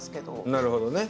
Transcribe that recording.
なるほどね。